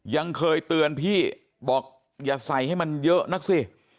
ยังเคยเตือนพี่บอกอย่าใส่ให้มันเยอะนักสิ